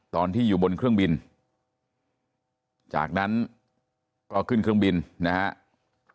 ตอนที่อยู่บนเครื่องบินจากนั้นก็ขึ้นเครื่องบินนะครับ